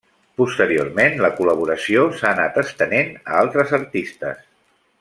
Posteriorment, la col·laboració s'ha anat estenent a altres artistes.